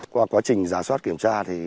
qua quá trình ra soát kiểm tra